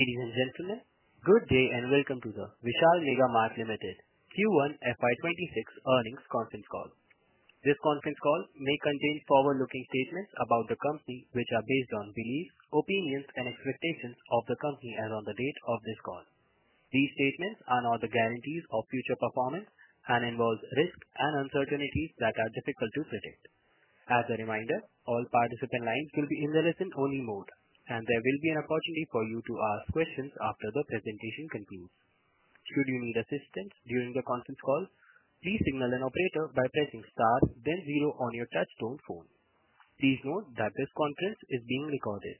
Ladies and gentlemen, good day and welcome to the Vishal Mega Mart Ltd Q1 FY 2026 Earnings Conference Call. This conference call may contain forward-looking statements about the company, which are based on beliefs, opinions, and expectations of the company as of the date of this call. These statements are not the guarantees of future performance and involve risks and uncertainties that are difficult to predict. As a reminder, all participant lines will be in the listen-only mode, and there will be an opportunity for you to ask questions after the presentation concludes. Should you need assistance during the conference call, please signal an operator by pressing STAR, then zero on your touchtone phone. Please note that this conference is being recorded.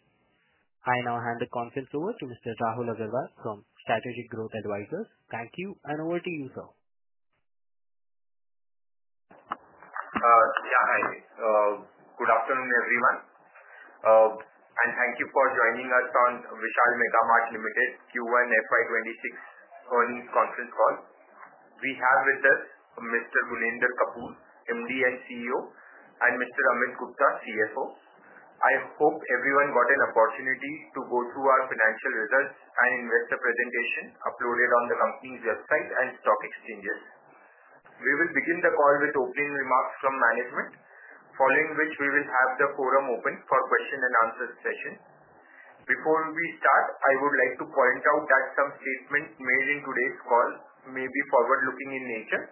I now hand the conference over to Mr. Rahul Agarwal from Strategic Growth Advisors. Thank you, and over to you. Yeah, hi. Good afternoon, everyone. Thank you for joining us on Vishal Mega Mart Ltd Q1 FY 2026 Earnings Conference Call. We have with us Mr. Gunender Kapur, MD and CEO, and Mr. Amit Gupta, CFO. I hope everyone got an opportunity to go through our financial results and investor presentation uploaded on the company's website and stock exchanges. We will begin the call with opening remarks from management, following which we will have the quorum open for question and answer session. Before we start, I would like to point out that some statements made in today's call may be forward-looking in nature,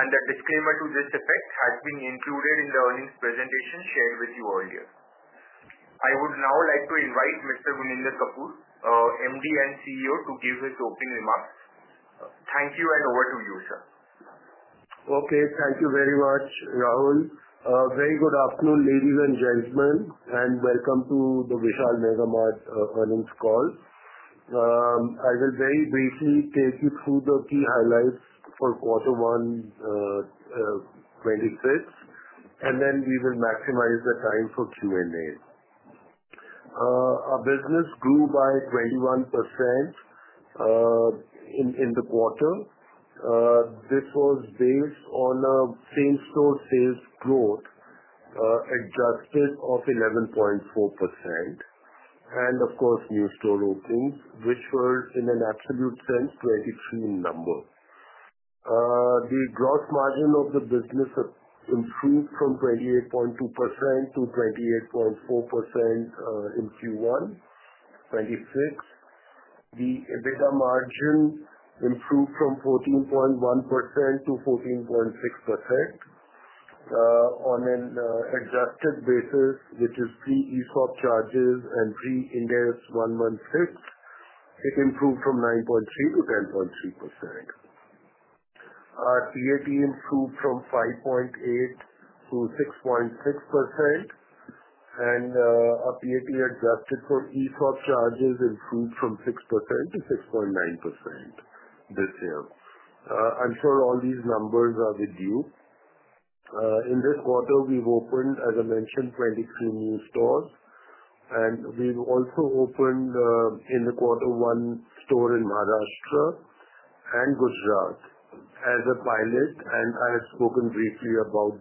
and a disclaimer to this effect has been included in the earnings presentation shared with you earlier. I would now like to invite Mr. Gunender Kapur, MD and CEO, to give his opening remarks. Thank you, and over to you, sir. Okay. Thank you very much, Rahul. Very good afternoon, ladies and gentlemen, and welcome to the Vishal Mega Mart Earnings Call. I will very briefly take you through the key highlights for quarter one 2026, and then we will maximize the time for Q&A. Our business grew by 21% in the quarter. This was based on a same-store sales growth adjusted of 11.4%, and of course, new store opens, which were in an absolute sense 23 number. The gross margin of the business improved from 28.2% to 28.4% in Q1 2026. The EBITDA margin improved from 14.1% to 14.6%. On an adjusted basis, which is pre-ECOB charges and pre-Ind AS 116, it improved from 9.3% to 10.3%. Our PAT improved from 5.8% to 6.6%, and our PAT adjusted from ECOB charges improved from 6% to 6.9% this year. I'm sure all these numbers are with you. In this quarter, we've opened, as I mentioned, 23 new stores, and we've also opened in the quarter one store in Maharashtra and Gujarat as a pilot. I have spoken briefly about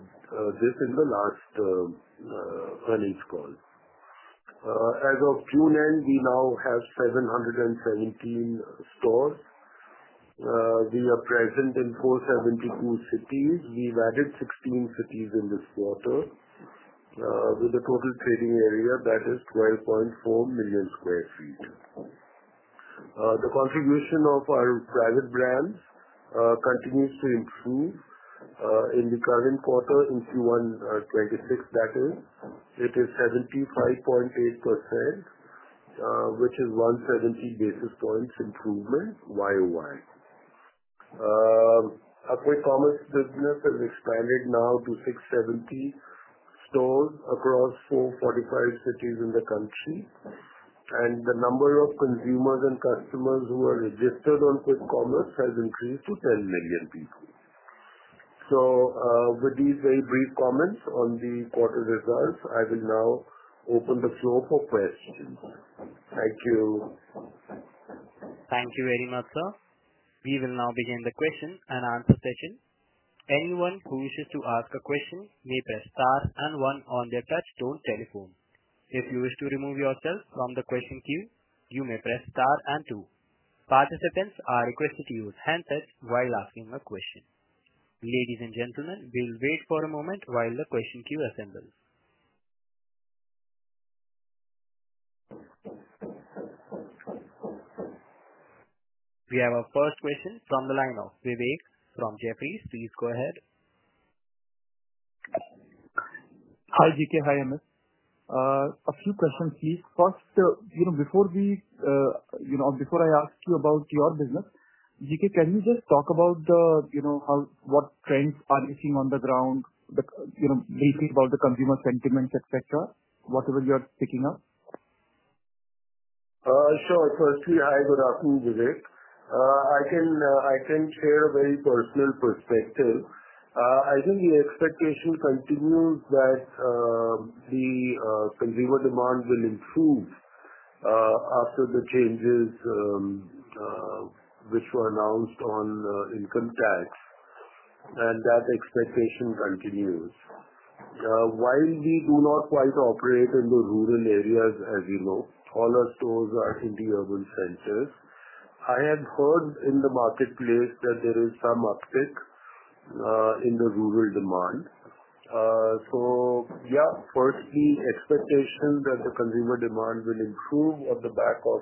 this in the last earnings call. As of Q1, we now have 717 stores. We are present in 472 cities. We've added 16 cities in this quarter, with a total trading area that is 12.4 million sq ft. The contribution of our private brands continues to improve. In the current quarter, in Q1 2026, that is, it is 75.8%, which is 170 basis points improvement YoY. Our quick commerce business has expanded now to 670 stores across 445 cities in the country, and the number of consumers and customers who are registered on quick commerce has increased to 10 million people. With these very brief comments on the quarter results, I will now open the floor for questions. Thank you. Thank you very much, sir. We will now begin the question and answer session. Anyone who wishes to ask a question may press STAR and one on their touchtone telephone. If you wish to remove yourself from the question queue, you may press STAR and two. Participants are requested to use handsets while asking a question. Ladies and gentlemen, we'll wait for a moment while the question queue assembles. We have our first question from the line of Vivek from Jefferies. Please go ahead. Hi, GK. Hi, Amit. A few questions, please. First, before I ask you about your business, GK, can you just talk about what trends you are seeing on the ground, briefly about the consumer sentiments, whatever you're picking up? Hi. Good afternoon, Vivek. I can share a very personal perspective. I think the expectation continues that the consumer demand will improve after the changes which were announced on income tax. That expectation continues. While we do not quite operate in the rural areas, as you know, all our stores are in the urban centers, I have heard in the marketplace that there is some uptick in the rural demand. Expectations are that the consumer demand will improve on the back of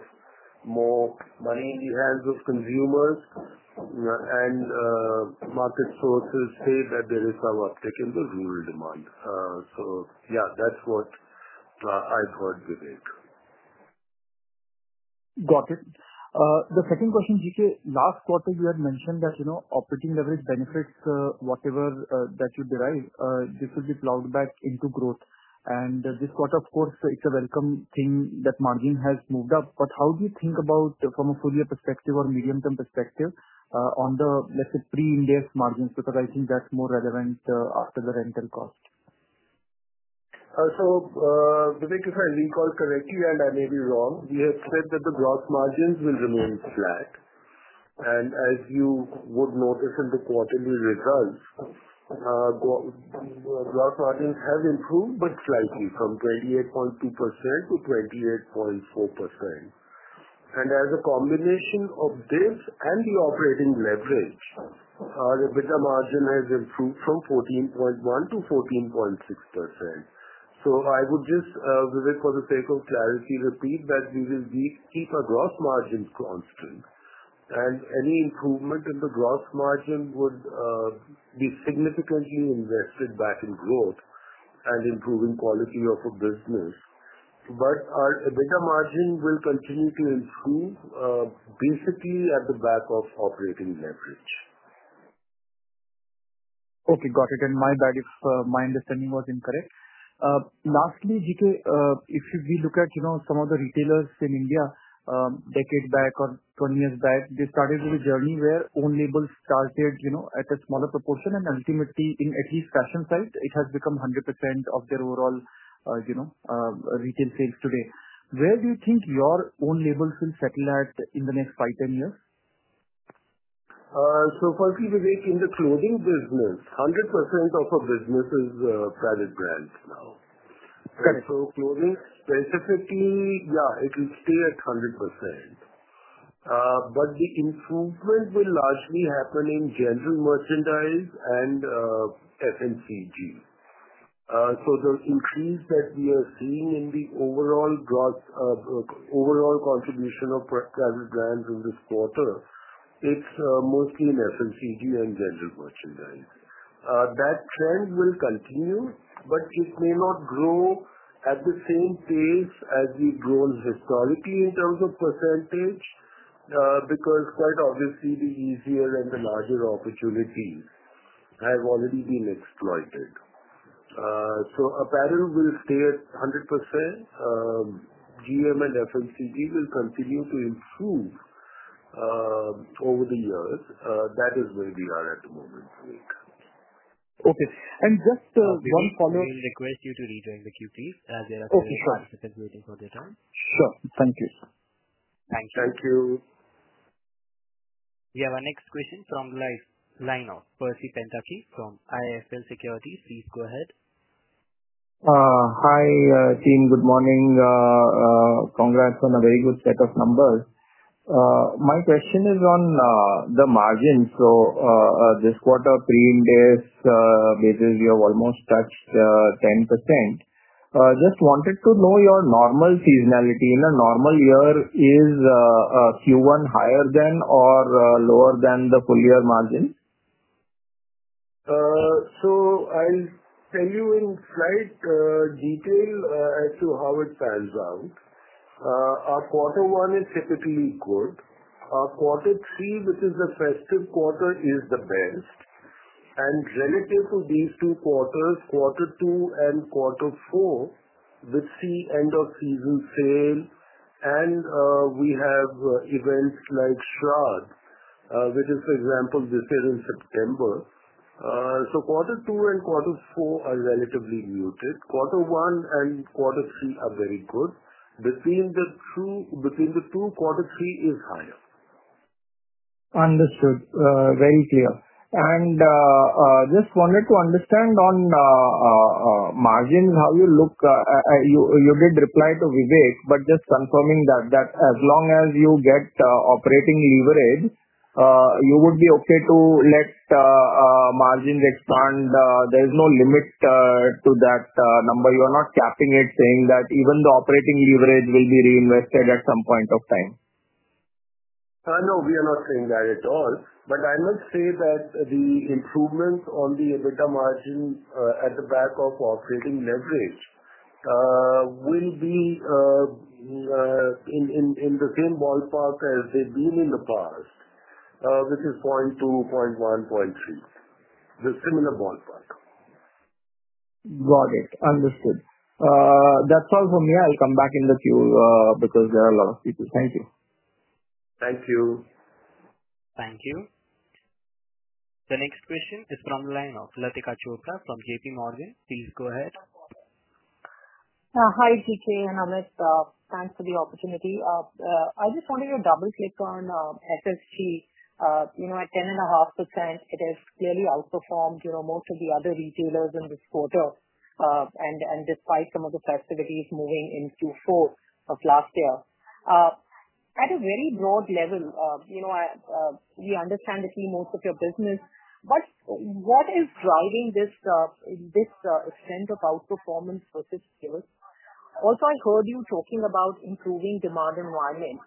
more money in the hands of consumers. Market sources say that there is some uptick in the rural demand. That's what I've heard, Vivek. Got it. The second question, GK, last quarter, you had mentioned that, you know, operating leverage benefits, whatever that you derive, this will be plowed back into growth. This quarter, of course, it's a welcome thing that margin has moved up. How do you think about, from a four-year perspective or a medium-term perspective on the, let's say, pre-index margins? I think that's more relevant after the rental cost. Vivek, if I recall correctly, and I may be wrong, we have said that the gross margins will remain flat. As you would notice in the quarterly results, the gross margins have improved, but slightly, from 28.2% to 28.4%. As a combination of this and the operating leverage, the EBITDA margin has improved from 14.1% to 14.6%. I would just, Vivek, for the sake of clarity, repeat that we will keep our gross margins constant. Any improvement in the gross margin would be significantly invested back in growth and improving quality of the business. Our EBITDA margin will continue to improve, basically at the back of operating leverage. Okay. Got it. My bad, if my understanding was incorrect. Lastly, GK, if we look at some of the retailers in India, a decade back or 20 years back, they started with a journey where own labels started at a smaller proportion. Ultimately, in at least fashion sales, it has become 100% of their overall retail sales today. Where do you think your own labels will settle at in the next five, 10 years? Firstly, we think in the clothing business, 100% of our business is a private brand now. Got it. Clothing specifically, yeah, it will stay at 100%. The improvement will largely happen in general merchandise and FMCG. The increase that we are seeing in the overall contribution of private brands in this quarter is mostly in FMCG and general merchandise. That trend will continue, but it may not grow at the same pace as we've grown historically in terms of percentage because, quite obviously, the easier and the larger opportunities have already been exploited. Apparel will stay at 100%. GM and FMCG will continue to improve over the years. That is where we are at the moment right now. Okay, just one follow-up. We'll request you to rejoin the queue, please. There are four participants waiting for their turn. Sure. Thank you. Thanks. Thank you. We have our next question from the line of Percy Pentaky from IIFL Securities. Please go ahead. Hi, team. Good morning. Congrats on a very good set of numbers. My question is on the margins. This quarter, pre-index, basically, you have almost touched 10%. Just wanted to know your normal seasonality. In a normal year, is Q1 higher than or lower than the full-year margin? I'll tell you in slight detail as to how it pales out. Our quarter one is typically good. Our quarter three, which is the festive quarter, is the best. Relative to these two quarters, quarter two and quarter four, which see end-of-season sale, and we have events like Shrad, which is, for example, this year in September. Quarter two and quarter four are relatively muted. Quarter one and quarter three are very good. Between the two, quarter three is higher. Understood. Very clear. Just wanted to understand on margins, how you look. You did reply to Vivek, but just confirming that as long as you get operating leverage, you would be okay to let margins expand. There's no limit to that number. You are not capping it, saying that even the operating leverage will be reinvested at some point of time. No, we are not saying that at all. I must say that the improvement on the EBITDA margin at the back of operating leverage will be in the same ballpark as they've been in the past, which is 0.2, 0.1, 0.3. It's a similar ballpark. Got it. Understood. That's all from me. I'll come back in with you because there are a lot of people. Thank you. Thank you. Thank you. The next question is from the line of Latika Chopra from JPMorgan. Please go ahead. Hi, GK and Amit. Thanks for the opportunity. I just wanted to double-click on SSG. At 10.5%, it has clearly outperformed most of the other retailers in this quarter, despite some of the festivities moving in Q4 of last year. At a very broad level, we understand that you move with your business. What is driving this sense of outperformance versus sales? I heard you talking about improving demand environment.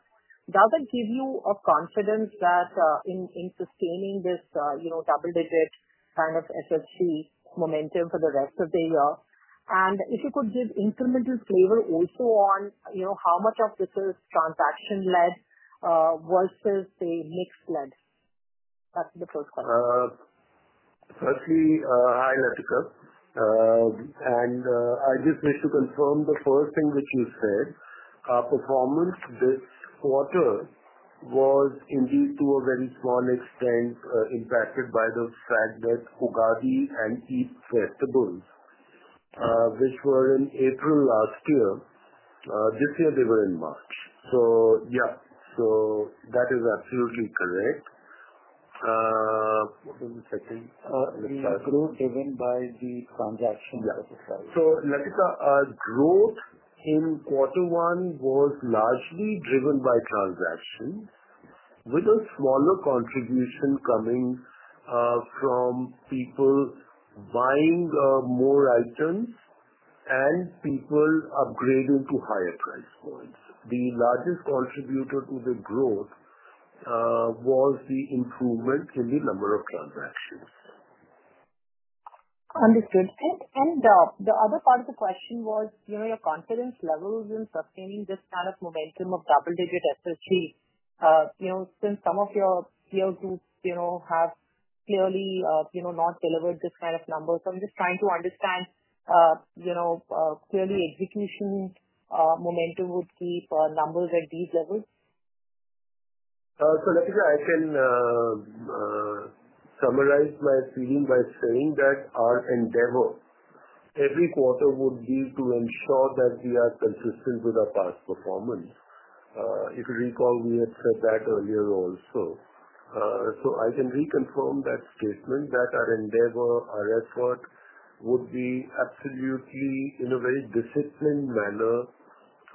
Does it give you a confidence that in sustaining this double-digit kind of SSG momentum for the rest of the year? If you could give incremental flavor also on how much of this is transaction-led versus, say, mix-led? That's the first question. Hi, Latika. I just need to confirm the first thing that you said. Our performance this quarter was, indeed, to a very small extent, impacted by the fact that Ugadi and EID festivals, which were in April last year, this year, they were in March. That is absolutely correct. What was the second? The growth driven by the transactions. Yeah. Latika, our growth in quarter one was largely driven by transactions, with a smaller contribution coming from people buying more items and people upgrading to higher price points. The largest contributor to the growth was the improvement in the number of transactions. Understood. The other part of the question was your confidence levels in sustaining this kind of momentum of double-digit SSG. Since some of your peer groups have clearly not delivered this kind of number, I'm just trying to understand. Clearly, execution momentum would be for numbers at these levels. Latika, I can summarize my feeling by saying that our endeavor every quarter would be to ensure that we are consistent with our past performance. If you recall, we have said that earlier also. I can reconfirm that statement that our endeavor, our effort would be absolutely, in a very disciplined manner,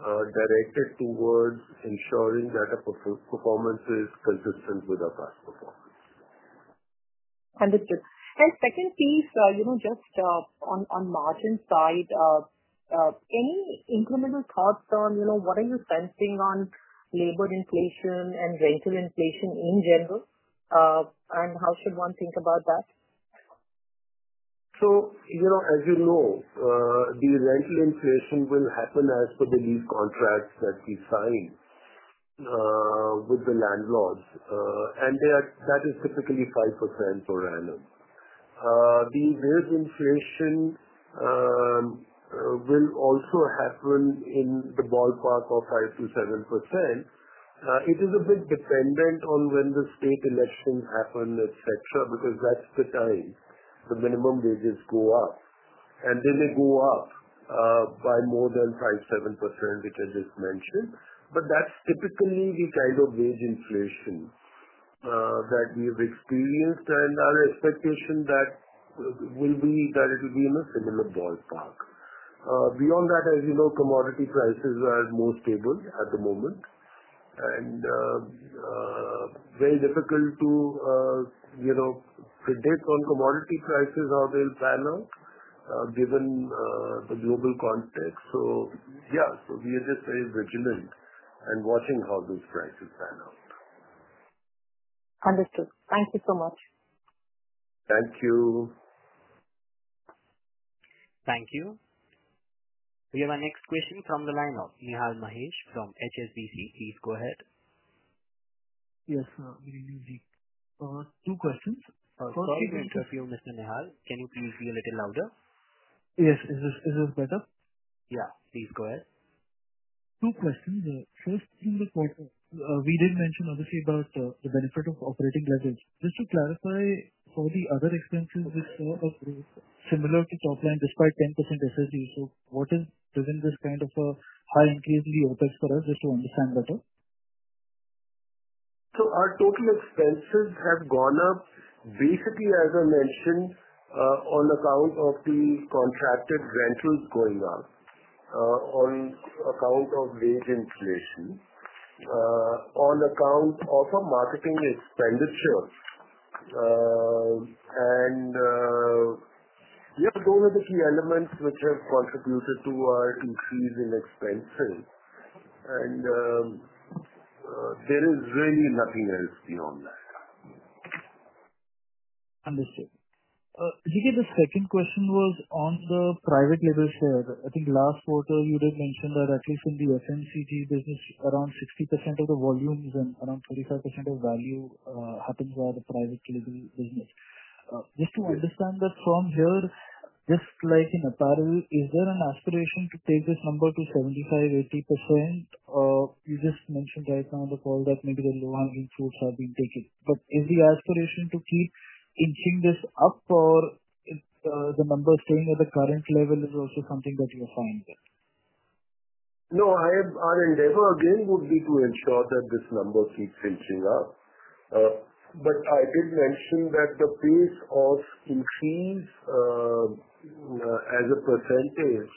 directed towards ensuring that our performance is consistent with our past performance. Understood. Second piece, just on margin side, any incremental thoughts on what are you sensing on labor inflation and rental inflation in general? How should one think about that? As you know, the rental inflation will happen as per the lease contracts that we sign with the landlords. That is typically 5% per annual. The rent inflation will also happen in the ballpark of 5%-7%. It is a bit dependent on when the state elections happen, etc., because that's the times the minimum wages go up. Then they go up by more than 5%-7%, which I just mentioned. That's typically the kind of wage inflation that we've experienced, and our expectation will be that it will be in a similar ballpark. Beyond that, as you know, commodity prices are more stable at the moment. It is very difficult to predict on commodity prices how they'll pan out given the global context. We are just very vigilant and watching how those prices pan out. Understood. Thank you so much. Thank you. Thank you. We have our next question from the line of Nihal Mahesh from HSBC. Please go ahead. Yes, we do need two questions. First, if you're interested, Mr. Nihal, can you please be a little louder? Yes, it was better. Yeah, please go ahead. Two questions. First thing, we did mention obviously about the benefit of operating leverage. Just to clarify, how the other expenses of the store are pretty similar to top line despite 10% SSG? What has driven this kind of a high increase in the OpEx for us just to understand better? Our total expenses have gone up, basically, as I mentioned, on account of the contracted rentals going up, on account of wage inflation, on account of our marketing expenditures. Yeah, those are the key elements which have contributed to our increase in expenses. There is really nothing else beyond. Understood. GK, the second question was on the private leverage there. I think last quarter, you did mention that at least in the FMCG business, around 50% of the volumes and around 45% of value happens via the private label business. Just to understand that from here, just like in apparel, is there an aspiration to take this number to 75%, 80%? You just mentioned right now on the call that maybe the low-hanging fruits have been taken. Is the aspiration to keep inching this up, or is the number staying at the current level also something that you were fine with? No, our endeavor, again, would be to ensure that this number keeps inching up. I did mention that the pace of increase as a percent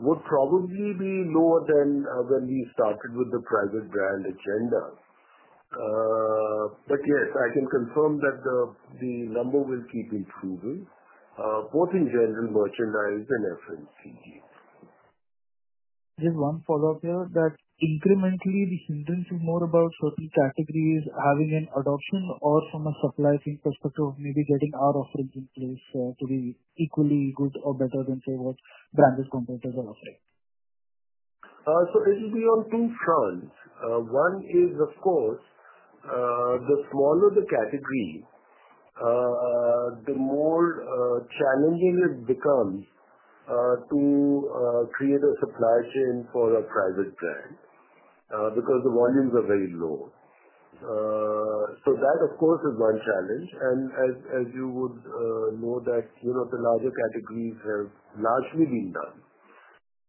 would probably be lower than when we started with the private brand agenda. Yes, I can confirm that the number will keep improving, both in general merchandise and FMCGs. Just one follow-up here that incrementally, the incremental more about certain categories having an adoption or from a supply chain perspective of maybe getting our offerings in place to be equally good or better than, say, what branded competitors are offering. It will be on two shelves. One is, of course, the smaller the category, the more challenging it becomes to create a supply chain for a private brand because the volumes are very low. That, of course, is one challenge. As you would know, the larger categories have largely been done.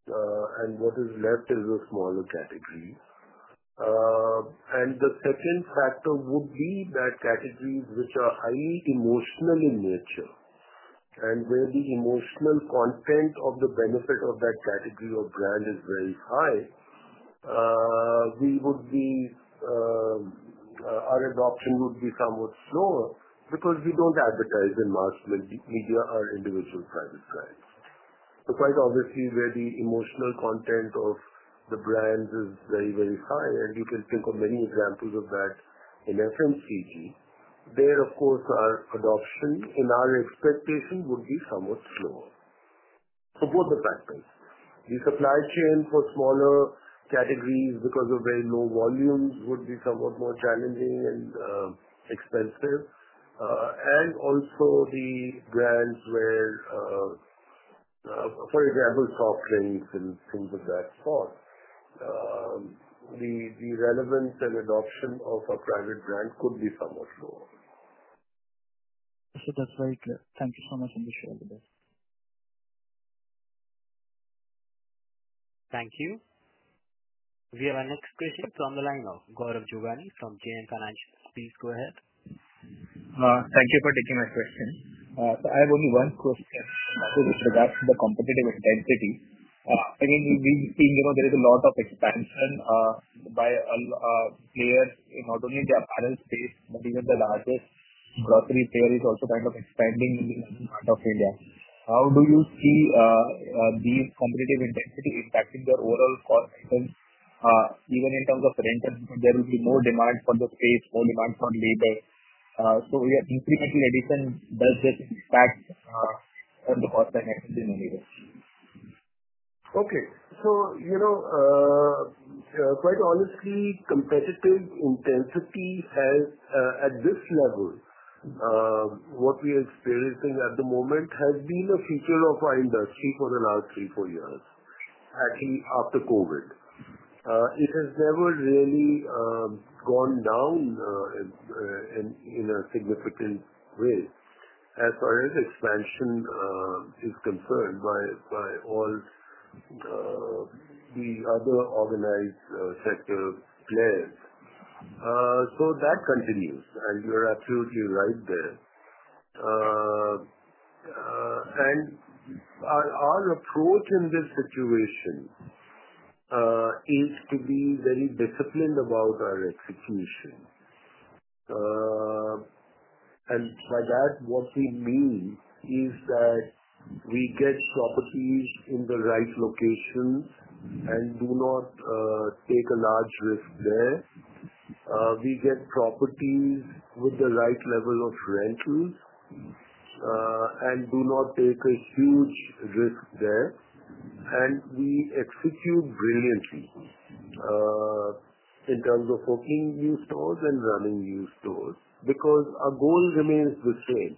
What is left is the smaller categories. The second factor would be that categories which are highly emotional in nature and where the emotional content of the benefit of that category or brand is very high, our adoption would be somewhat slower because we don't advertise in mass media or individual private brands. Quite obviously, where the emotional content of the brand is very, very high, and you can think of many examples of that in FMCG, there, of course, our adoption and our expectation would be somewhat slower. Both the factors, the supply chain for smaller categories because of very low volumes would be somewhat more challenging and expensive. Also, the brands where, for example, soft drinks and things of that sort, the relevance and adoption of a private brand could be somewhat lower. That's very clear. Thank you so much. Thank you. We have our next question from the line of Gaurav Juvani from JM Finance. Please go ahead. Thank you for taking my question. I have only one question with regards to the competitive intensity. We've seen there is a lot of expansion by players in not only the apparel space, but even the largest grocery players also kind of expanding in South India. How do you see the competitive intensity impacting your overall cost, even in terms of rent? There will be more demand for the space, more demand for labels. Incremental addition, does this impact on the cost and expenses in the labels? Okay. Quite honestly, competitive intensity at this level, what we are experiencing at the moment, has been a feature of our industry for the last three or four years, actually, after COVID. It has never really gone down in a significant way as far as expansion is concerned by all the other organized sector players. That continues. You're absolutely right there. Our approach in this situation is to be very disciplined about our execution. By that, what we mean is that we get properties in the right locations and do not take a large risk there. We get properties with the right level of rentals and do not take a huge risk there. We execute brilliantly in terms of opening new stores and running new stores because our goal remains the same,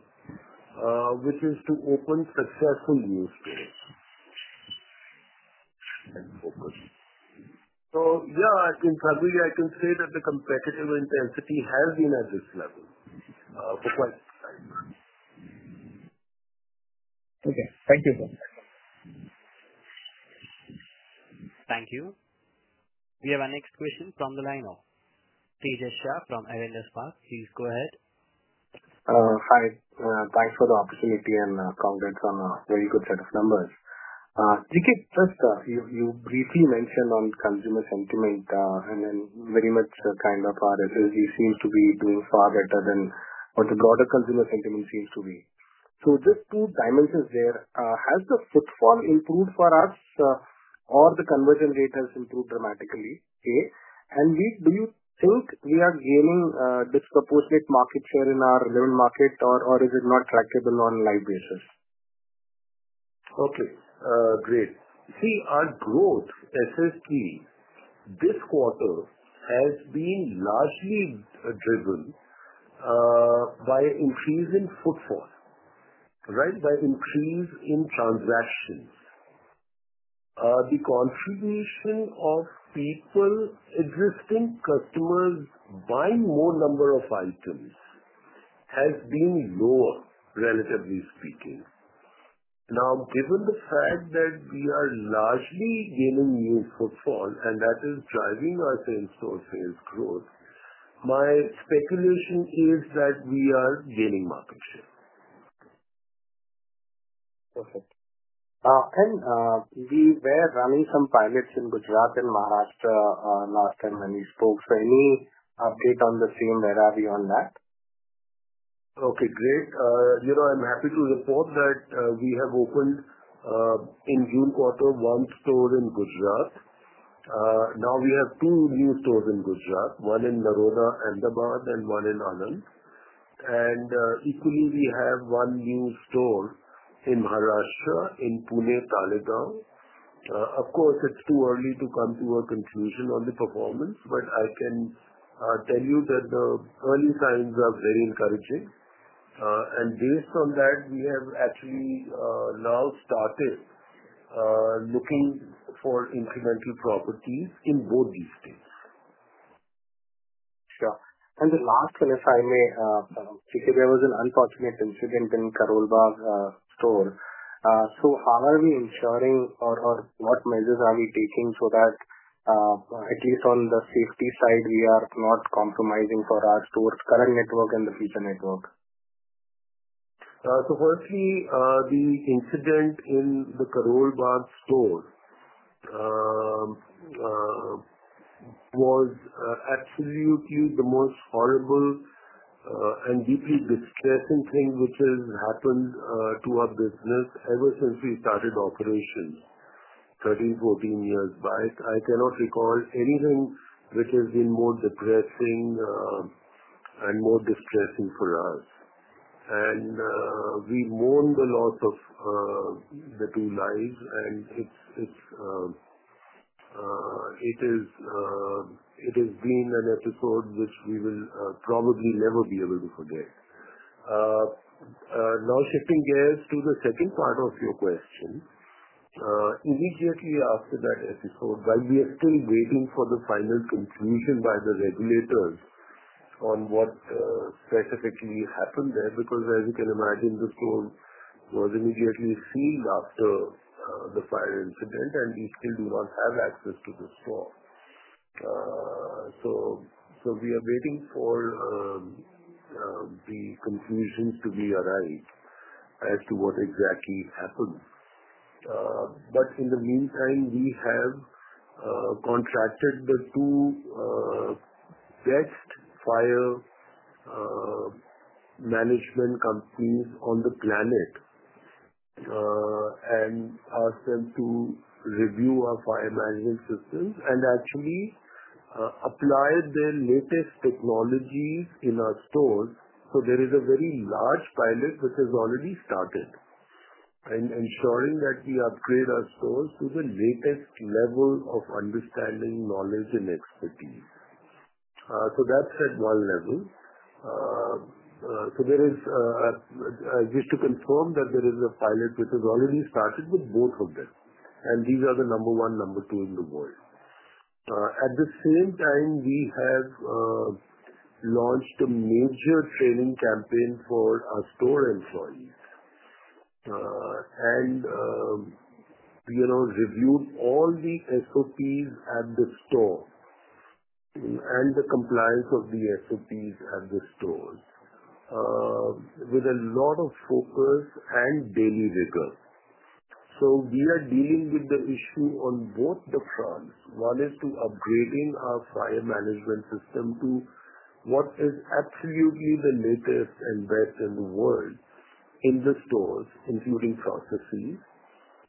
which is to open successful new stores. I can say that the competitive intensity has been at this level for quite some time. Okay, thank you, sir. Thank you. We have our next question from the line of Tejash Shah from Avendus Spark. Please go ahead. Hi. Thanks for the opportunity and congrats on a very good set of numbers. GK, you briefly mentioned on consumer sentiment, and our FMCG seems to be doing far better than what the broader consumer sentiment seems to be. Just two dimensions there. Has the fit form improved for us, or the conversion rate has improved dramatically? Do you think we are gaining disproportionate market share in our relevant market, or is it not tractable on a live basis? Okay. Great. You see, our growth, SSG, this quarter has been largely driven by increasing footfall, right, by increase in transactions. The contribution of people, existing customers buying more number of items, has been lower, relatively speaking. Now, given the fact that we are largely gaining new footfall and that is driving our sales for sales growth, my speculation is that we are gaining market share. Okay. We were running some pilots in Gujarat and Maharashtra last time when you spoke. Any update on the same? Where are we on that? Okay. Great. I'm happy to report that we have opened in June quarter one store in Gujarat. Now we have two new stores in Gujarat, one in Naroda and one in Arland. We have one new store in Maharashtra in Pune Tale Town. Of course, it's too early to come to a conclusion on the performance, but I can tell you that the early signs are very encouraging. Based on that, we have actually now started looking for incremental properties in both these things. Sure. The last one, if I may, GK, there was an unfortunate incident in the Karol Bagh store. How are we ensuring or what measures are we taking so that at least on the safety side, we are not compromising for our store's current network and the future network? Firstly, the incident in the Karol Bagh store was absolutely the most horrible and deeply distressing thing which has happened to our business ever since we started operations, 13, 14 years back. I cannot recall anything which has been more depressing and more distressing for us. We mourn the loss of the two lives. It has been an episode which we will probably never be able to forget. Now, shifting gears to the second part of your question, immediately after that episode, while we are still waiting for the final conclusion by the regulator on what specifically happened there, because as you can imagine, the store was immediately sealed after the fire incident, and we still do not have access to the store. We are waiting for the conclusion to be arrived at as to what exactly happened. In the meantime, we have contracted the two best fire management companies on the planet and asked them to review our fire management systems and actually apply their latest technologies in our store. There is a very large pilot which has already started, ensuring that we upgrade our stores to the latest level of understanding, knowledge, and expertise. That is at one level. There is, just to confirm, a pilot which has already started with both of them. These are the number one and number two in the world. At the same time, we have launched a major selling campaign for our store employees and reviewed all the SOPs at the store and the compliance of the SOPs at the store with a lot of focus and daily rigor. We are dealing with the issue on both fronts. One is upgrading our fire management system to what is absolutely the latest and best in the world in the stores, including processes.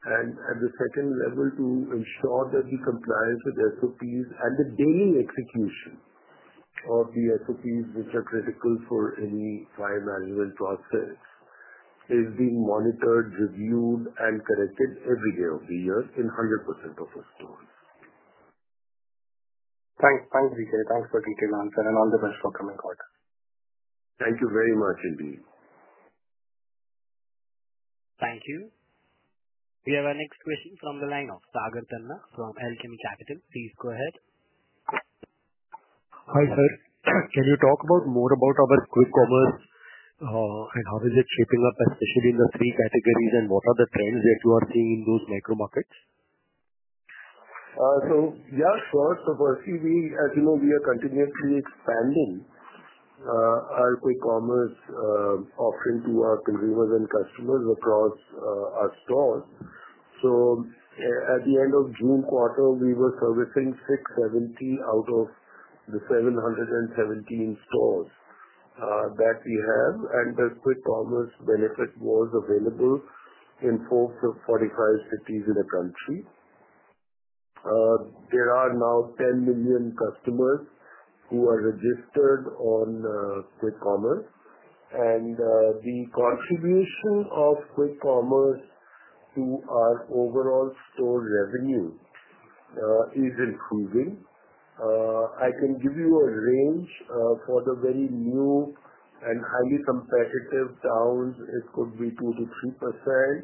At the second level, to ensure that the compliance with SOPs and the daily execution of the SOPs, which are critical for any fire management process, is being monitored, reviewed, and corrected every day of the year in 100% of our stores. Thanks, GK. Thanks for a detailed answer and all the best for the coming quarter. Thank you very much, Ajay. Thank you. We have our next question from the line of Sagar Tanna from Alchemie Capital. Please go ahead. Hi, Sir. Can you talk more about our quick commerce and how it is shaping up, especially in the three categories, and what are the trends that you are seeing in those micro markets? First of all, we are continuously expanding our quick commerce offering to our consumers and customers across our stores. At the end of the June quarter, we were servicing 670 out of the 717 stores that we have. The quick commerce benefit was available in 445 cities in the country. There are now 10 million customers who are registered on quick commerce, and the contribution of quick commerce to our overall store revenue is improving. I can give you a range for the very new and highly competitive towns. It could be 2%-3%,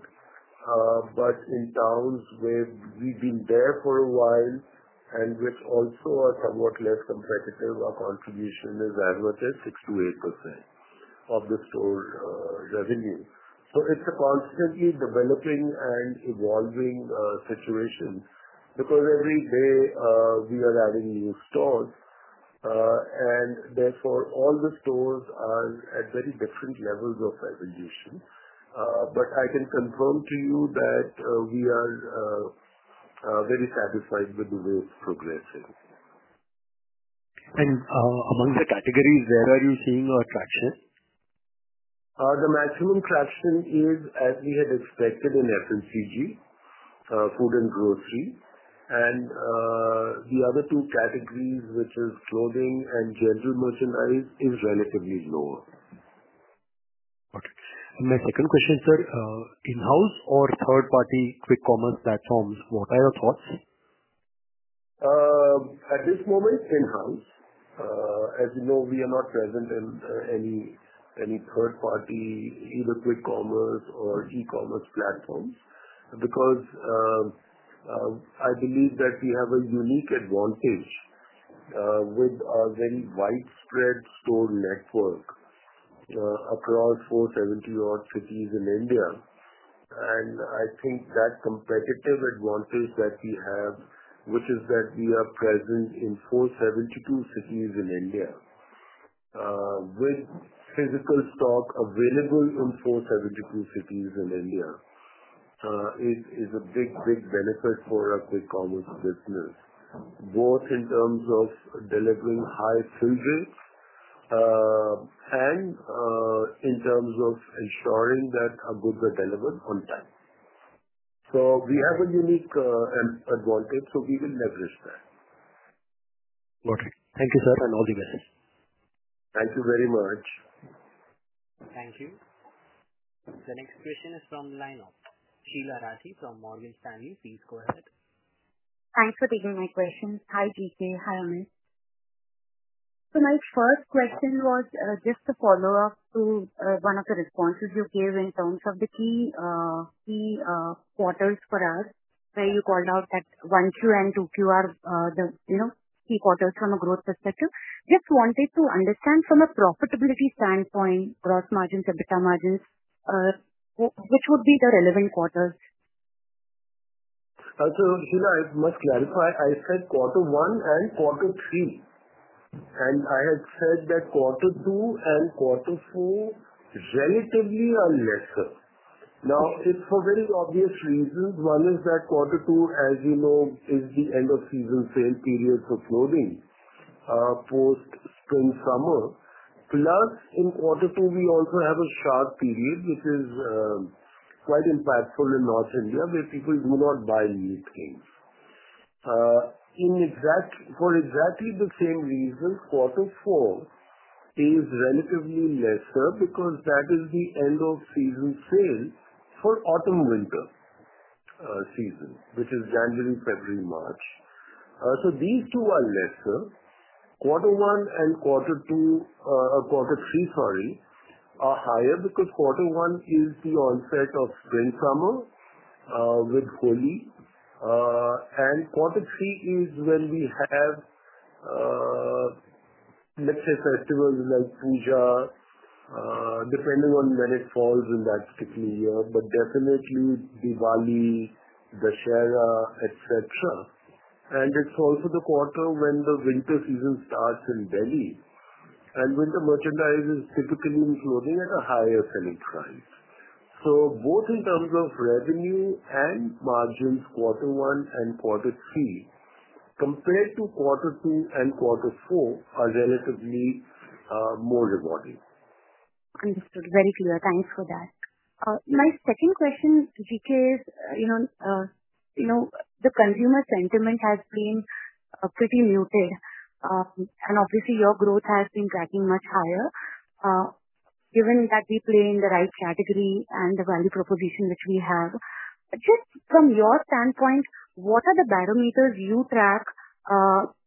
but in towns where we've been there for a while and which also are somewhat less competitive, our contribution is as much as 6%-8% of the store revenue. It's a constantly developing and evolving situation because every day we are adding new stores, and therefore, all the stores are at very different levels of execution. I can confirm to you that we are very satisfied with the way it's progressing. Among the categories, where are you seeing our traction? The maximum traction is, as we had expected, in FMCG, food and grocery. The other two categories, which are apparel and general merchandise, is relatively lower. Okay. My second question, sir, in-house or third-party quick commerce platforms, what are your thoughts? At this moment, in-house. As you know, we are not present in any third-party either quick commerce or e-commerce platforms because I believe that we have a unique advantage with our very widespread store network across 470-odd cities in India. I think that competitive advantage that we have, which is that we are present in 472 cities in India, with physical stock available in 472 cities in India, is a big, big benefit for our quick commerce business, both in terms of delivering high freight rates and in terms of ensuring that our goods are delivered on time. We have a unique advantage, so we will leverage that. Got it. Thank you, sir, and all the best. Thank you very much. Thank you. The next question is from the line of Sheela Rathii from Mortgage Family. Please go ahead. Thanks for taking my questions. Hi, GK. Hi, Amit. My first question was just a follow-up to one of the responses you gave in terms of the key quarters per hour where you called out that 1Q and 2Q are the key quarters from a growth perspective. I just wanted to understand from a profitability standpoint, gross margins, capital margins, which would be the relevant quarters? Sheela, I must clarify. I said quarter one and quarter three. I had said that quarter two and quarter four relatively are lesser. It's for very obvious reasons. One is that quarter two, as you know, is the end-of-season sale period for clothing post spring summer. Plus, in quarter two, we also have a sharp period, which is quite impactful in North India, where people do not buy new things. For exactly the same reasons, quarter four is relatively lesser because that is the end-of-season sales for autumn-winter season, which is January, February, March. These two are lesser. Quarter one and quarter three are higher because quarter one is the onset of spring summer with Holi. Quarter three is when we have, let's say, festivals like Puja, depending on when it falls in that particular year, but definitely Diwali, Dushara, etc. It's also the quarter when the winter season starts in Delhi. Winter merchandise is typically in clothing at a higher selling price. Both in terms of revenue and margins, quarter one and quarter three compared to quarter two and quarter four are relatively more rewarding. Understood. Very clear. Thanks for that. My second question, GK, is, you know, the consumer sentiment has been pretty muted. Obviously, your growth has been tracking much higher given that we play in the right category and the value proposition which we have. Just from your standpoint, what are the barometers you track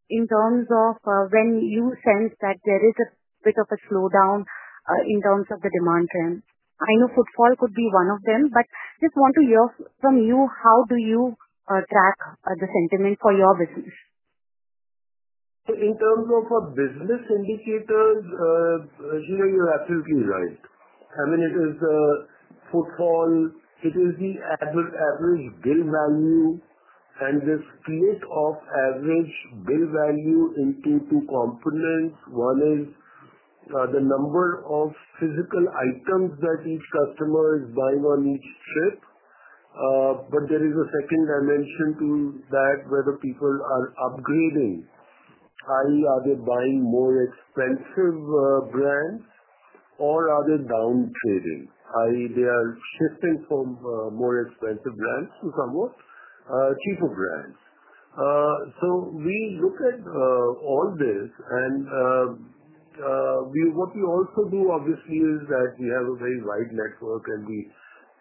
in terms of when you sense that there is a bit of a slowdown in terms of the demand trend? I know footfall could be one of them, but just want to hear from you, how do you track the sentiment for your business? In terms of our business indicators, you're absolutely right. I mean, it is a footfall. It is the average bill value, and the split of average bill value into two components. One is the number of physical items that each customer is buying on each trip. There is a second dimension to that where the people are upgrading. Are they buying more expensive brands, or are they downsizing? They are shifting from more expensive brands to somewhat cheaper brands. We look at all this. What we also do, obviously, is that we have a very wide network, and we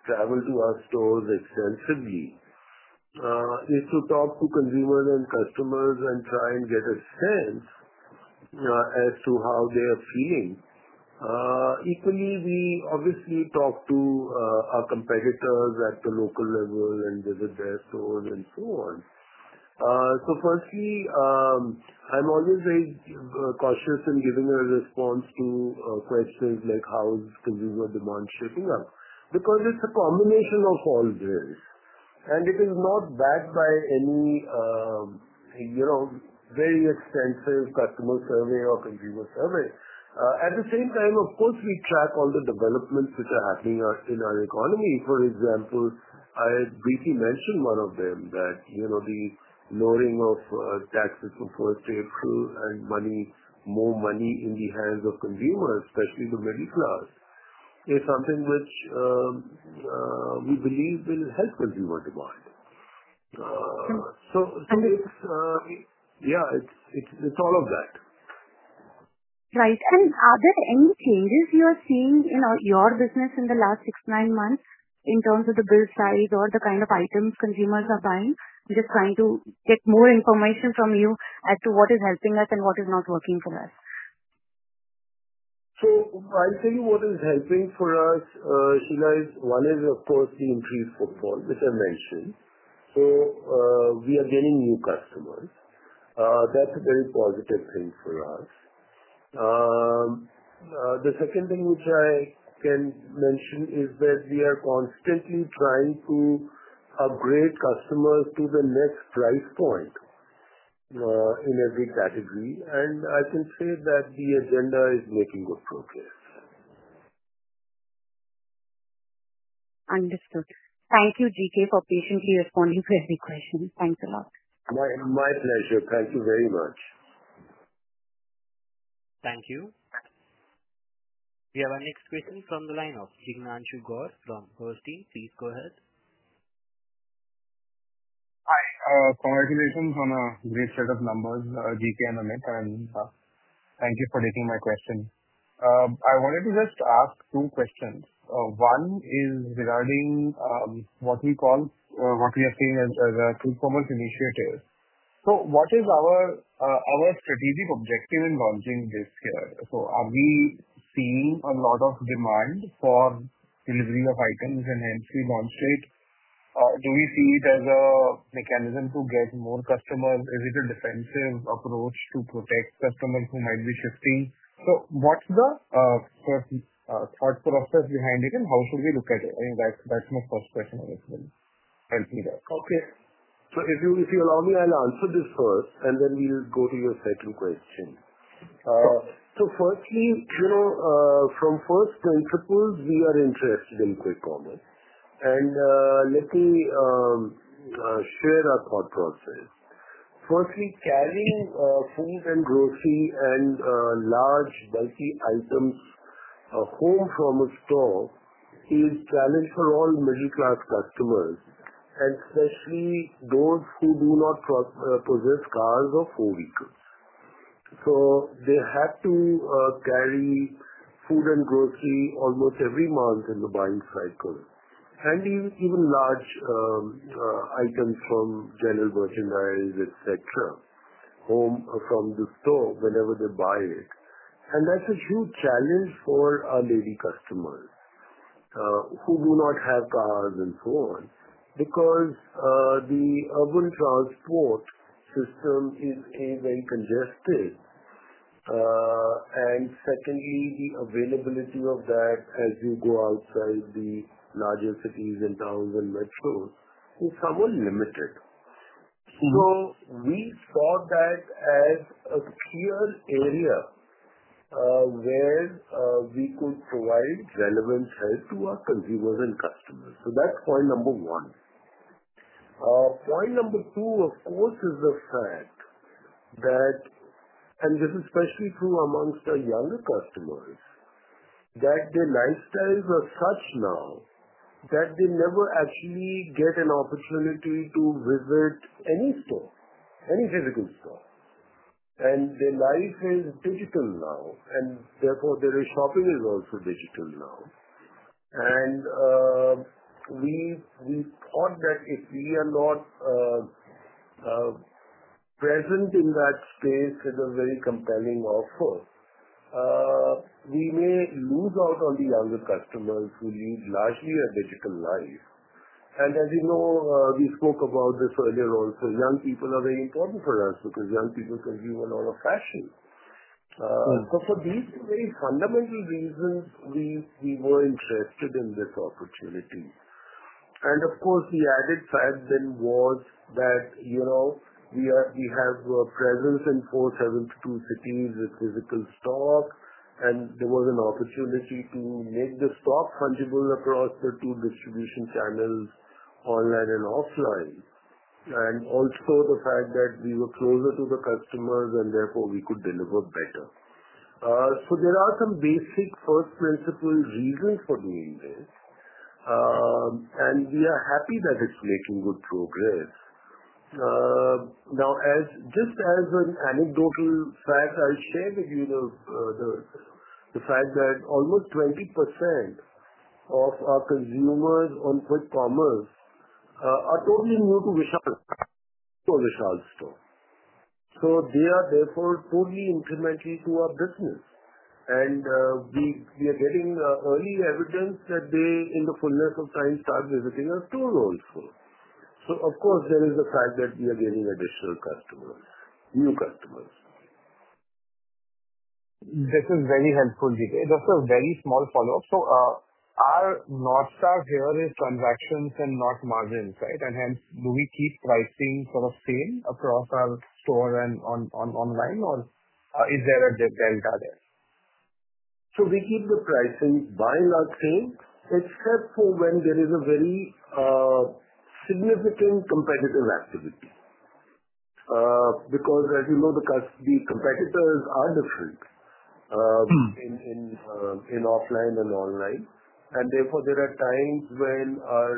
travel to our stores extensively. It's to talk to consumers and customers and try and get a sense as to how they are feeling. Equally, we obviously talk to our competitors at the local level and visit their stores and so on. Firstly, I'm always very cautious in giving a response to questions like how is consumer demand shaping up because it's a combination of all this. It is not backed by any very extensive customer survey or consumer survey. At the same time, of course, we track all the developments which are happening in our economy. For example, I had briefly mentioned one of them, that you know the lowering of taxes for April 1st and more money in the hands of consumers, especially the middle class, is something which we believe will help consumer demand. It's all of that. Right. Are there any changes you are seeing in your business in the last six to nine months in terms of the bill size or the kind of items consumers are buying? I'm just trying to get more information from you as to what is helping us and what is not working for us. I'll tell you what is helping for us, Sheela. One is, of course, the increased footfall, as I mentioned. We are getting new customers. That's a very positive thing for us. The second thing which I can mention is that we are constantly trying to upgrade customers to the next price point in every category, and I can say that the agenda is making good progress. Understood. Thank you, GK, for patiently responding to every question. Thanks a lot. My pleasure. Thank you very much. Thank you. We have our next question from the line of Jignanshu Gor from Bernstein. Please go ahead. Hi. Congratulations on a great set of numbers, GK and Amit. Thank you for taking my question. I wanted to just ask two questions. One is regarding what we call or what we are seeing as a quick commerce initiative. What is our strategic objective in launching this year? Are we seeing a lot of demand for delivery of items and hence we launched it? Do we see it as a mechanism to get more customers? Is it a defensive approach to protect customers who might be shifting? What's the thought process behind it and how should we look at it? I mean, that's my first question, I guess, and feedback. Okay. If you allow me, I'll answer this first, and then we'll go to your second question. Firstly, you know, from first principles, we are interested in quick commerce. Let me share our thought process. Firstly, carrying food and grocery and large, bulky items home from a store is a challenge for all middle-class customers, especially those who do not possess cars or four wheelers. They have to carry food and grocery almost every month in the buying cycle, and even large items from general merchandise, etc., home from the store whenever they buy it. That's a huge challenge for our daily customers who do not have cars and so on because the urban transport system is even congested. Secondly, the availability of that as you go outside the larger cities and towns and metro is somewhat limited. We saw that as a clear area where we could provide relevant help to our consumers and customers. That's point number one. Point number two, of course, is the fact that, and this is especially true amongst our younger customers, their lifestyles are such now that they never actually get an opportunity to visit any store, any physical store. Their life is digital now, and therefore, their shopping is also digital now. We thought that if we are not present in that space as a very compelling offer, we may lose out on the younger customers who lead largely a digital life. As you know, we spoke about this earlier also, young people are very important for us because young people consume a lot of fashion. For these two very fundamental reasons, we were interested in this opportunity. Of course, the added fact then was that we have a presence in 472 cities with physical stock. There was an opportunity to make the stock tangible across the two distribution channels, online and offline. Also, the fact that we were closer to the customers, and therefore, we could deliver better. There are some basic first principles reasons for doing this, and we are happy that it's making good progress. Now, just as an anecdotal fact, I'll share with you the fact that almost 20% of our consumers on quick commerce are totally new to the shop or the child store. They are therefore totally incremental to our business, and we are getting early evidence that they, in the fullness of time, start visiting our stores also. Of course, there is the fact that we are getting additional customers, new customers. This is very helpful, GK. Just a very small follow-up. Our North Star here is transactions and not margins, right? Hence, do we keep pricing sort of same across our store and online, or is there a discount? We keep the pricing by a large thing. It's helpful when there is a very significant competitive activity because, as you know, the competitors are different in offline and online. Therefore, there are times when our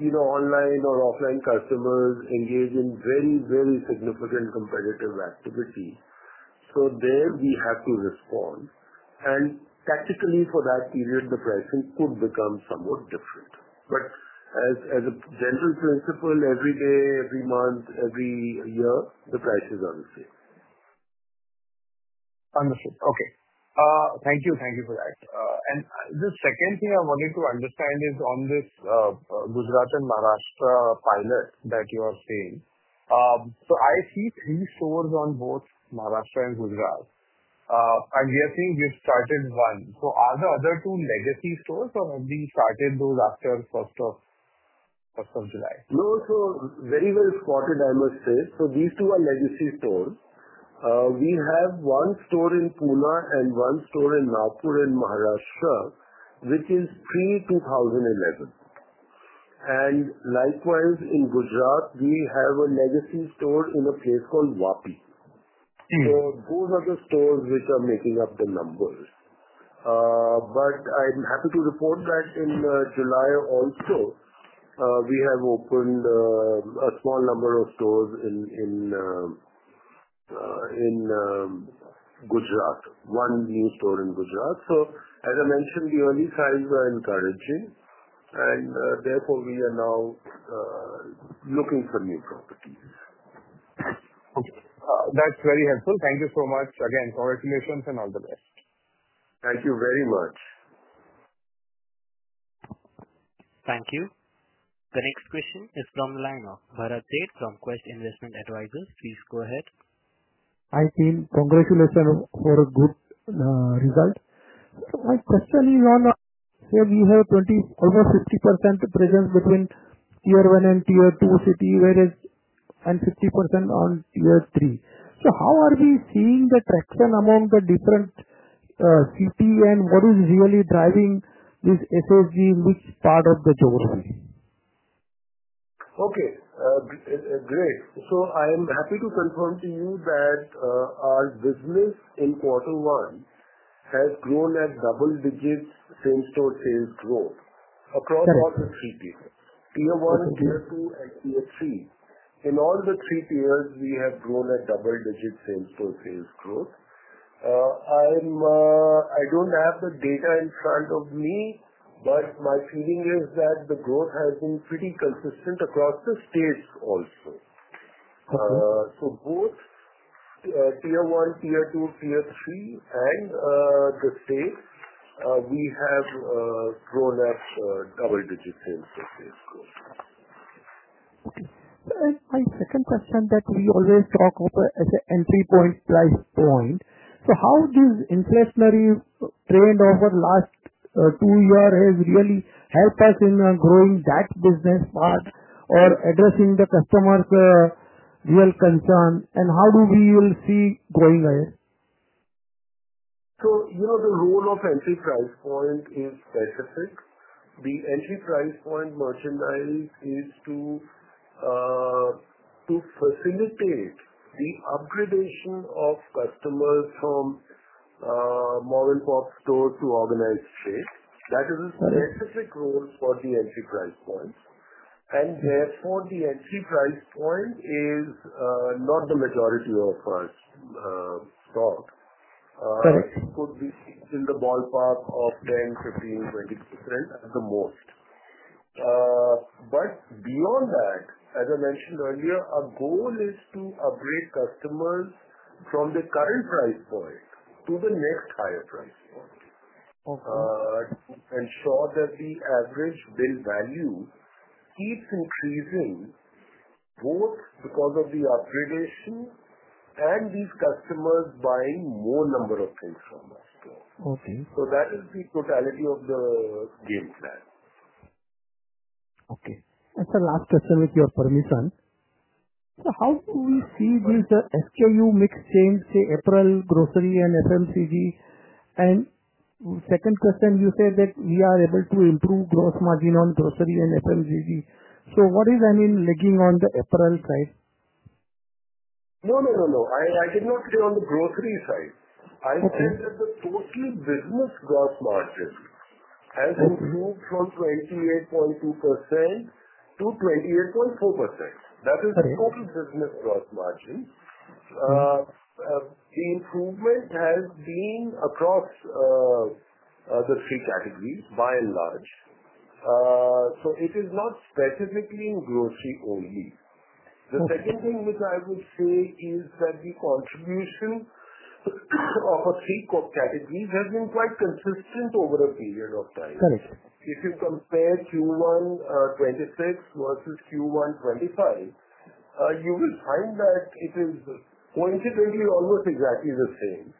either online or offline customers engage in very, very significant competitive activity. There we have to respond, and tactically, for that period, the pricing could become somewhat different. As a general principle, every day, every month, every year, the prices are the same. Understood. Thank you for that. The second thing I wanted to understand is on this Gujarat and Maharashtra pilot that you are seeing. I see three stores on both Maharashtra and Gujarat. We are seeing you started one. Are the other two legacy stores, or have you started those after July 1st? No, very well spotted, I must say. These two are legacy stores. We have one store in Pune and one store in Nagpur in Maharashtra, which is pre-2011. Likewise, in Gujarat, we have a legacy store in a place called Vapi. Those are the stores which are making up the numbers. I'm happy to report that in July also, we have opened a small number of stores in Gujarat, one new store in Gujarat. As I mentioned, the early signs are encouraging. Therefore, we are now looking for new properties. Okay. That's very helpful. Thank you so much. Again, congratulations and all the best. Thank you very much. Thank you. The next question is from the line of Bharat Sheth from Quest Investment Advisors. Please go ahead. Hi, team. Congratulations for a good result. My question is on here you have over 50% presence between tier 1 and tier 2 cities, whereas 50% on tier 3. How are we seeing the traction among the different cities, and what is usually driving this SSG, which started the journey? Okay. Great. I'm happy to confirm to you that our business in quarter one has grown at double-digit same-store sales growth across all the cities, tier 1, tier 2, and tier 3. In all the three tiers, we have grown at double-digit same-store sales growth. I don't have the data in front of me, but my feeling is that the growth has been pretty consistent across the states also. Both tier 1, tier 2, tier 3, and the states, we have grown at double-digit sales growth. Okay. My second question that we always talk about is an entry price point. How does the inflationary trend over the last two years really help us in growing that business part or addressing the customers' real concern, and how do we see growing ahead? The role of entry price point is specific. The entry price point merchandise is to facilitate the upgradation of customers from more and more stores to organized states. That is a specific role for the entry price points. Therefore, the entry price point is not the majority of our stock. It could be in the ballpark of 10%, 15%, 20% at the most. Beyond that, as I mentioned earlier, our goal is to upgrade customers from the current price point to the next higher price point. Ensure that the average bill value keeps increasing both because of the upgradation and these customers buying more number of things from our store. That is the totality of the game plan. Okay. That's the last question with your permission. How do we see this SKU mix change, say, apparel, grocery, and FMCG? The second question, you said that we are able to improve gross margin on grocery and FMCG. What is, I mean, lagging on the apparel side? I did not say on the grocery side. I'm saying that the total business gross margin has moved from 28.2% to 28.4%. That is total business gross margin. The improvement has been across the three categories, by and large. It is not specifically in grocery only. The second thing which I would say is that the contribution to our C corp categories has been quite consistent over a period of time. If you compare Q1 2026 versus Q1 2025, you will find that it is quantitatively almost exactly the same.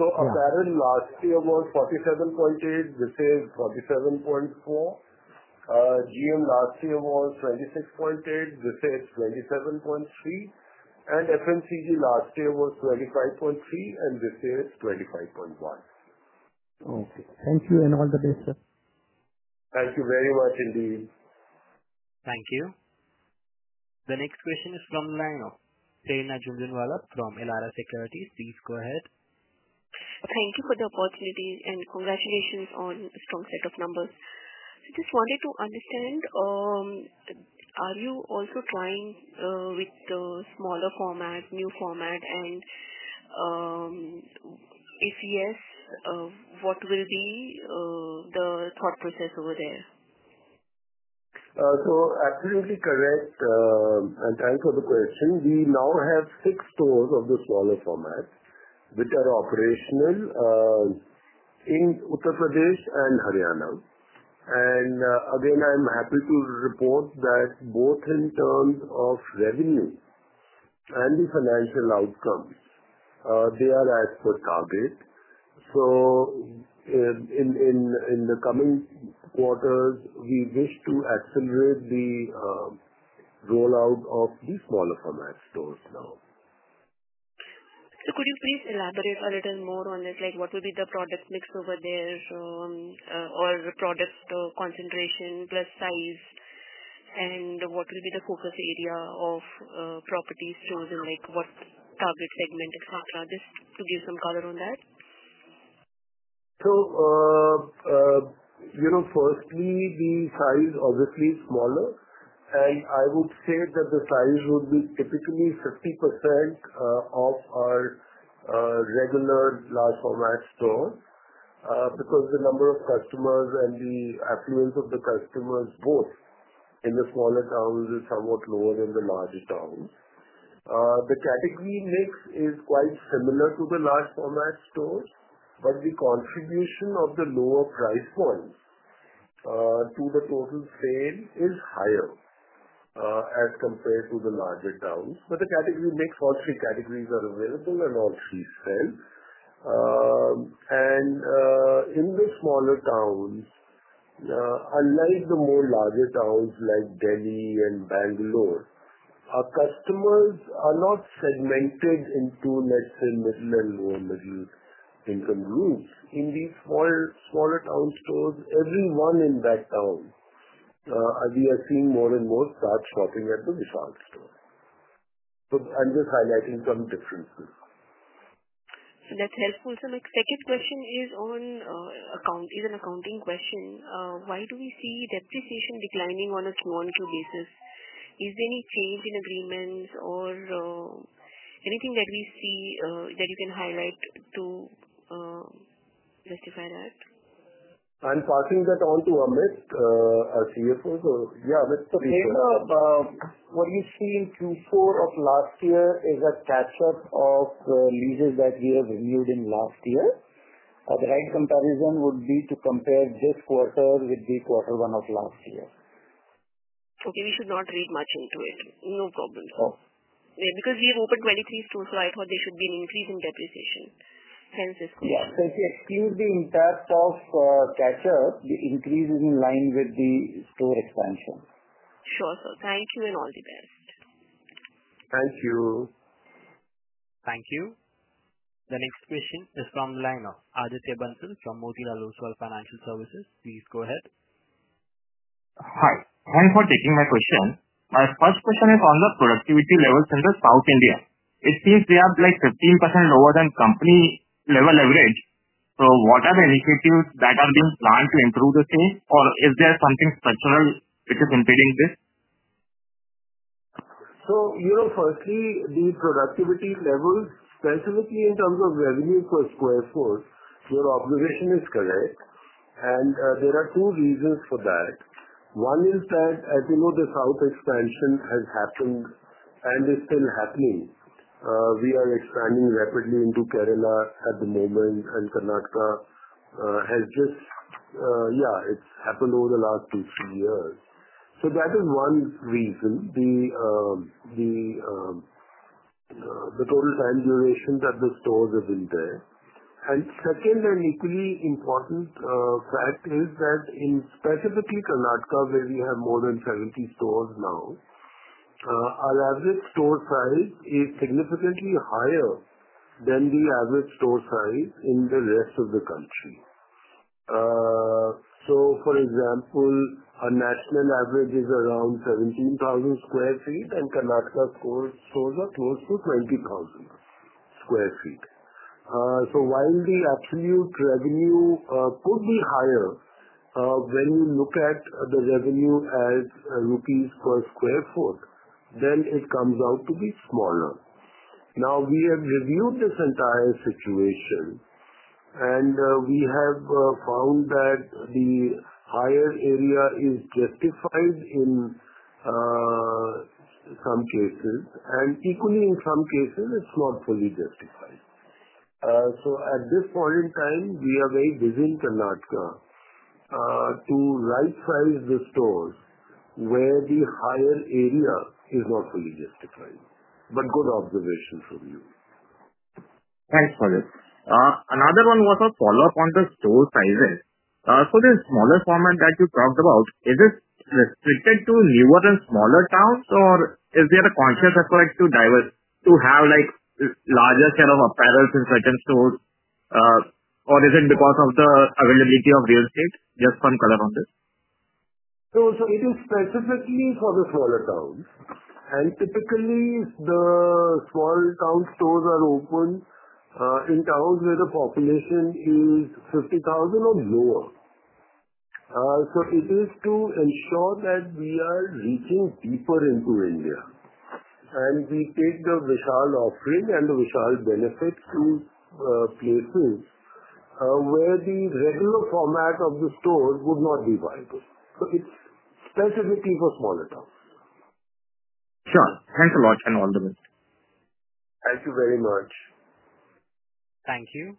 Apparel last year was 47.8%, this year is 47.4%. GM last year was 26.8%, this year is 27.3%. FMCG last year was 25.3%, and this year is 25.1%. Okay. Thank you and all the best, sir. Thank you very much, Ajay. Thank you. The next question is from the line of Prerna Jhunjhunwala from Elara Securities. Please go ahead. Thank you for the opportunity and congratulations on a strong set of numbers. I just wanted to understand, are you also trying with the smaller format, new format? If yes, what will be the thought process over there? Absolutely correct, and thanks for the question. We now have six stores of the smaller format which are operational in Uttar Pradesh and Haryana. I'm happy to report that both in terms of revenue and the financial outcomes, they are as per target. In the coming quarters, we wish to accelerate the rollout of the smaller format stores now. Could you please elaborate a little more on it? What will be the product mix over there, or the product concentration plus size? What will be the focus area of properties chosen? What's the target segment? Just to give some color on that. Firstly, the size is obviously smaller. I would say that the size would be typically 50% of our regular large format stores because the number of customers and the affluence of the customers both in the smaller towns is somewhat lower than the larger towns. The category mix is quite similar to the large format store, but the contribution of the lower price points to the total sale is higher as compared to the larger towns. The category mix, all three categories are available in all three trends. In the smaller towns, unlike the more larger towns like Delhi and Bangalore, our customers are not segmented into, let's say, middle and lower-middle-income groups. In these smaller town stores, everyone in that town, we are seeing more and more start shopping at the Vishal store. I'm just highlighting some differences. That's helpful. My second question is on an accounting question. Why do we see depreciation declining on a small business? Is there any change in agreements or anything that we see that you can highlight to justify that? I'm passing that on to Amit, our CFO. Amit, please go ahead. What we see in Q4 of last year is a catch-up of leases that we have reviewed in last year. A direct comparison would be to compare this quarter with the quarter one of last year. Okay, we should not read much into it. No problem. Oh. Because we have opened 23 stores, I thought there should be an increase in depreciation. Hence, this question. Yeah, if you exclude the impact of catch-up, the increase is in line with the store expansion. Sure, sir. Thank you and all the best. Thank you. Thank you. The next question is from the line of Aditya Bansal, Sammoti Laosual Financial Services. Please go ahead. Hi. Thanks for taking my question. My first question is on the productivity levels in South India. It seems they are like 15% lower than company-level average. What are the initiatives that have been planned to improve the same, or is there something structural which is impeding this? Firstly, the productivity levels, specifically in terms of revenue per square foot, your observation is correct. There are two reasons for that. One is that, as you know, the south expansion has happened and is still happening. We are expanding rapidly into Kerala, the mainland, and Karnataka. It's happened over the last two years. That is one reason, the total time duration that the stores have been there. The second and equally important fact is that in specifically Karnataka, where we have more than 70 stores now, our average store size is significantly higher than the average store size in the rest of the country. For example, our national average is around 17,000 sq ft, and Karnataka stores are close to 20,000 sq ft. While the absolute revenue could be higher, when you look at the revenue as INR per square foot, then it comes out to be smaller. We have reviewed this entire situation, and we have found that the higher area is justified in some cases. Equally, in some cases, it's not fully justified. At this point in time, we are very busy in Karnataka to right-size the stores where the higher area is not fully justified. Good observation from you. Thanks fir that. Another one was a follow-up on the store sizes. The smaller format that you talked about, is this restricted to newer and smaller towns, or is there a conscious approach to have like this larger set of apparel in certain stores? Is it because of the availability of real estate? Just some color on this. It is specifically for the smaller towns. Typically, the small town stores are open in towns where the population is 50,000 or lower. It is to ensure that we are reaching deeper into India, and we take the Vishal offering and the Vishal benefits to places where the regular format of the store would not be viable. It is specifically for smaller towns. Sure, thanks a lot and all the best. Thank you very much. Thank you.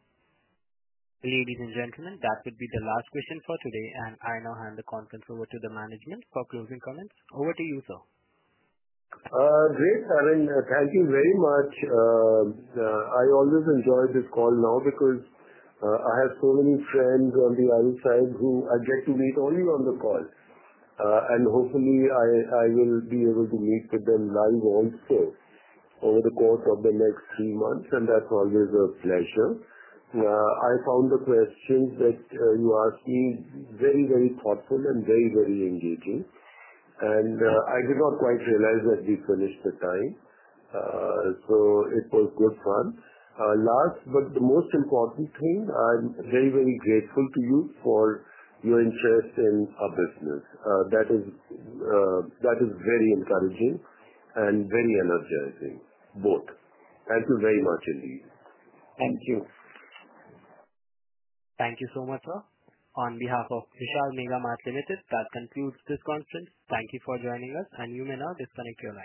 Ladies and gentlemen, that would be the last question for today. I now hand the conference over to the management for closing comments. Over to you, sir. Great. Thank you very much. I always enjoy this call now because I have so many friends on the other side who I get to meet only on the call. Hopefully, I will be able to meet with them live also over the course of the next three months, and that's always a pleasure. I found the questions that you asked me very, very thoughtful and very, very engaging. I did not quite realize that we finished the time. It was good fun. Last but most important thing, I'm very, very grateful to you for your interest in our business. That is very encouraging and very energizing, both. Thank you very much indeed. Thank you. Thank you so much, sir. On behalf of Vishal Mega Mart Limited, that concludes this conference. Thank you for joining us, and you may now disconnect.